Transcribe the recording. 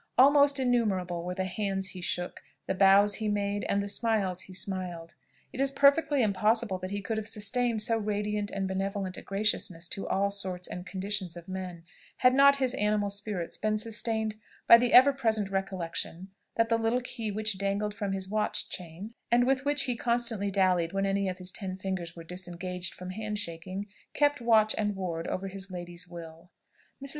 Almost innumerable were the hands he shook, the bows he made, and the smiles he smiled. It is perfectly impossible that he could have sustained so radiant and benevolent a graciousness to all sorts and conditions of men, had not his animal spirits been sustained by the ever present recollection that the little key which dangled from his watch chain, and with which he constantly dallied when any of his ten fingers were disengaged from hand shaking, kept watch and ward over his lady's will. Mrs.